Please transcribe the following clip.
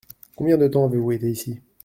Combien de temps avez-vous été ici ?